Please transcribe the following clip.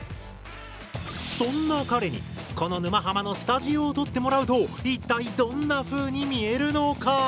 そんな彼にこの「沼ハマ」のスタジオを撮ってもらうと一体どんなふうに見えるのか？